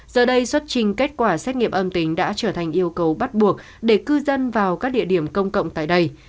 giờ đây xuất trình kết quả xét nghiệm âm tính đã trở thành yêu cầu bắt buộc để cư dân vào các địa điểm công cộng tại đây